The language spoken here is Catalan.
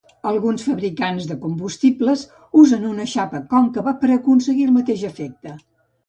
Alguns fabricants de consumibles usen una xapa còncava per aconseguir el mateix efecte.